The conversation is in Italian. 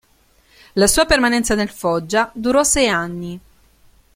La sua permanenza nel Foggia durò sei anni.